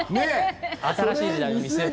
新しい時代を見据えて。